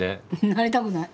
なりたくない。